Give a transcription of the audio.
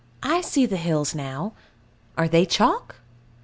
I see the hills now. Are they chalk?